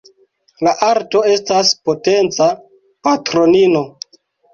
La Arto estas potenca patronino.